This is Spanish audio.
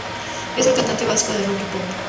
Es un cantante vasco de rock y pop.